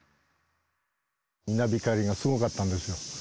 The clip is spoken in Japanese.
稲光がすごかったんですよ。